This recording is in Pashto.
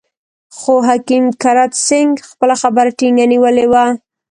خو حکیم کرت سېنګ خپله خبره ټینګه نیولې وه.